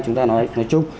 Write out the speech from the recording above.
chúng ta nói nói chung